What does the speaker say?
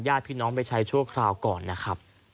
ญาติพี่น้องไปใช้ชั่วคราวก่อนนะครับ